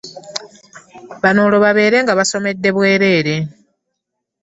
Bano olwo babeere nga basomedde bwereere.